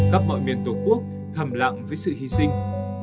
khắp mọi miền tổ quốc thầm lặng với sự hy sinh